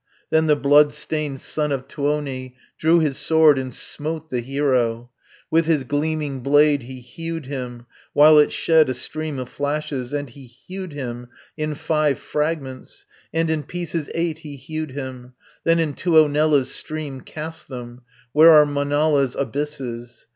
Then the bloodstained son of Tuoni Drew his sword, and smote the hero, With his gleaming blade he hewed him, While it shed a stream of flashes, And he hewed him in five fragments, And in pieces eight he hewed him, 450 Then in Tuonela's stream cast them, Where are Manala's abysses.